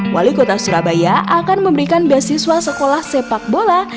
wali kota surabaya akan memberikan beasiswa sekolah sepak bola